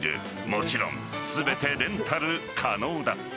もちろん、全てレンタル可能だ。